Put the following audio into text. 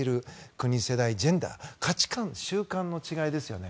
国、世代、ジェンダー価値観、習慣の違いですね。